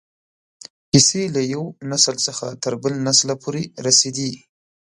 کیسې له یو نسل څخه تر بل نسله پورې رسېدې.